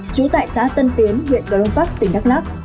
chú tại xã tân tiến huyện cờ long pháp tỉnh đắk lắk